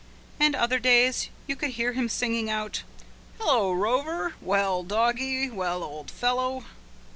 And other days you would hear him singing out: "Hullo, Rover! Well, doggie, well, old fellow!"